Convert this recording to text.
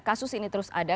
kasus ini terus ada